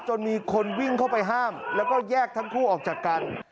จนมีคนวิ่งเข้าไปห้ามแล้วก็แยกทั้งคู่ออกจากกัน